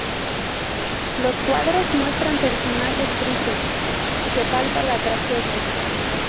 Los cuadros muestran personajes tristes, se palpa la tragedia.